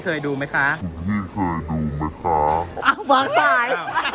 เคยดูไหมค่ะค่ะอ้าวบางทราย